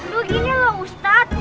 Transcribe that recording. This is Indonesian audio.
tuh gini loh ustadz